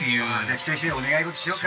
一人ひとりお願い事しようか。